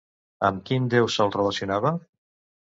Amb quin déu se'l relacionava?